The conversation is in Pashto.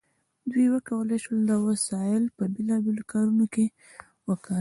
دوی وکولی شول دا وسایل په بیلابیلو کارونو وکاروي.